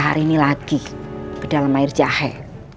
cahar ini lagi ke dalam air cahe